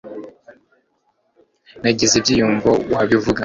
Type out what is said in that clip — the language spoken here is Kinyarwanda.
nagize ibyiyumvo wabivuga